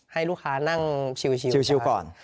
ให้ลูกค้านั่งชิวก่อน